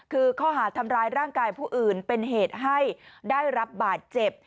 คือข้อหาทำร้ายร่างกายผู้อื่นเป็นเหตุให้ได้รับบาดเจ็บ